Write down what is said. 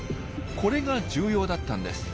これが重要だったんです。